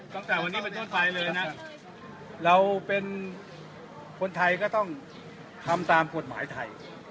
ตั้งแต่วันนี้เป็นต้นไปเลยนะเราเป็นคนไทยก็ต้องทำตามกฎหมายไทย